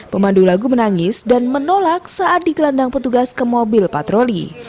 pemandu lagu menangis dan menolak saat digelandang petugas ke mobil patroli